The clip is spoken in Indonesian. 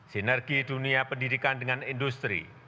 sinergi dunia pendidikan dengan industri